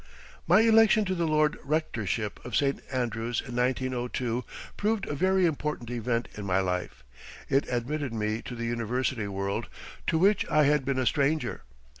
My election to the Lord Rectorship of St. Andrews in 1902 proved a very important event in my life. It admitted me to the university world, to which I had been a stranger.